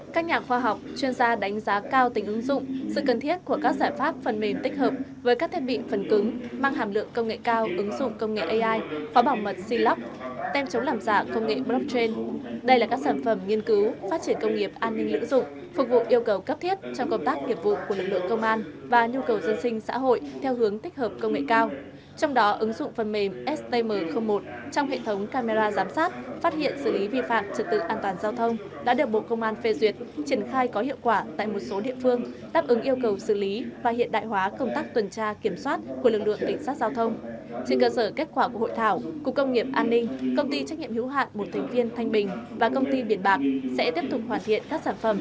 các nhà khoa học chuyên gia đánh giá cao tính ứng dụng sự cần thiết của các giải pháp phần mềm tích hợp với các thiết bị phần cứng mang hàm lượng công nghệ cao ứng dụng công nghệ ai khóa bảo mật c lock tem chống làm dạng công nghệ blockchain